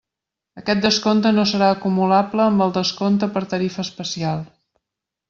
Aquest descompte no serà acumulable amb el descompte per tarifa especial.